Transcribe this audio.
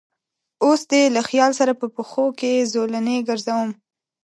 اوس دې له خیال سره په پښو کې زولنې ګرځوم